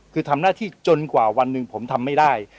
คือทำหน้าที่จนกว่าวันหนึ่งผมทำไม่ได้